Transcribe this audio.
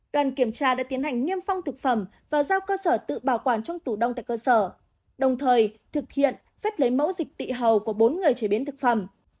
đoàn kiểm tra đã tiến hành niêm phong thực phẩm và giao cơ sở tự bảo quản trong tủ đông tại cơ sở đồng thời thực hiện phép lấy mẫu dịch tị hầu của bốn người chế biến thực phẩm